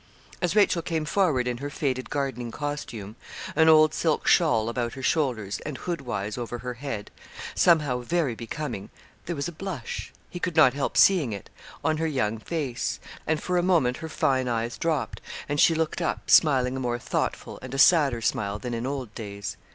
As Rachel came forward in her faded gardening costume, an old silk shawl about her shoulders, and hoodwise over her head, somehow very becoming, there was a blush he could not help seeing it on her young face, and for a moment her fine eyes dropped, and she looked up, smiling a more thoughtful and a sadder smile than in old days.